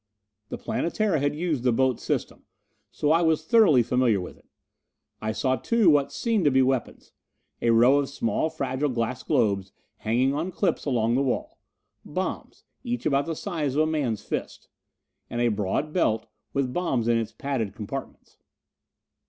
The Planetara had used the Botz system, so I was thoroughly familiar with it. I saw, too, what seemed to be weapons: a row of small fragile glass globes, hanging on clips along the wall bombs, each the size of a man's fist. And a broad belt with bombs in its padded compartments.